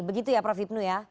begitu ya prof hipnu ya